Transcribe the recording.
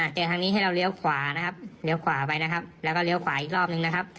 เจอทางนี้ให้เราเลี้ยวขวานะครับเลี้ยวขวาไปนะครับแล้วก็เลี้ยวขวาอีกรอบนึงนะครับ